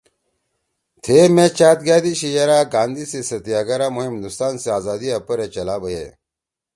تھیئے مے چأد گأدی شی یرأ گاندھی سی ستیاگرا مہم ہندوستان سی آزادیآ پرَے چلا بَیئے